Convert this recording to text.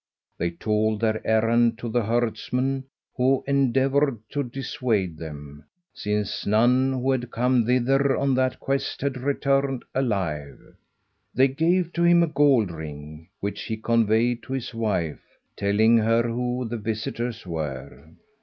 They told their errand to the herdsman, who endeavoured to dissuade them, since none who had come thither on that quest had returned alive. They gave to him a gold ring, which he conveyed to his wife, telling her who the visitors were.